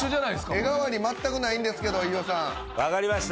「画変わり全くないんですけど飯尾さん」わかりました。